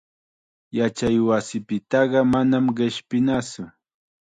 Yachaywasipitaqa manam qishpinatsu.